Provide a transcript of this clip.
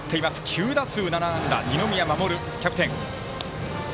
９打数７安打二宮士、キャプテン。